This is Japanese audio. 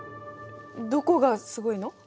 どこがすごいの？